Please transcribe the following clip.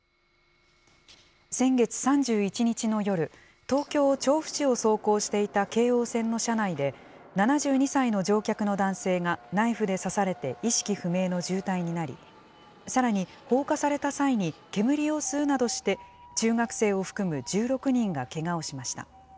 先月３１日の夜、東京・調布市を走行していた京王線の車内で、７２歳の乗客の男性がナイフで刺されて意識不明の重体になり、さらに、放火された際に、煙を吸うなどして中学生を含む１６人がけがをしました。